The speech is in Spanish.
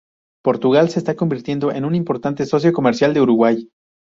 Portugal se está convirtiendo en un importante socio comercial de Uruguay.